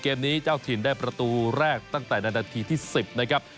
เกมนี้เจ้าถิ่นได้ประตูแรกตั้งแต่ในนาทีที่๑๐นะครับ